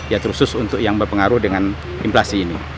ya terus untuk yang berpengaruh dengan inflasi ini